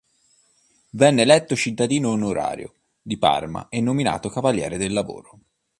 Venne eletto cittadino onorario di Parma e nominato Cavaliere del Lavoro.